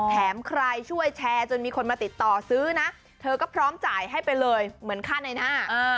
แถมใครช่วยแชร์จนมีคนมาติดต่อซื้อนะเธอก็พร้อมจ่ายให้ไปเลยเหมือนค่าในหน้า